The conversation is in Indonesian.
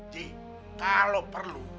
ji kalau perlu